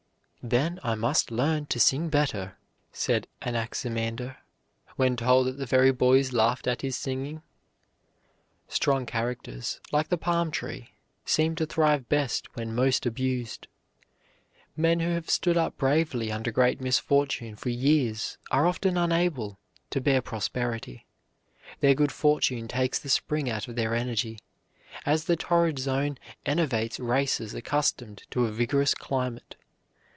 "Then I must learn to sing better," said Anaximander, when told that the very boys laughed at his singing. Strong characters, like the palm tree, seem to thrive best when most abused. Men who have stood up bravely under great misfortune for years are often unable to bear prosperity. Their good fortune takes the spring out of their energy, as the torrid zone enervates races accustomed to a vigorous climate.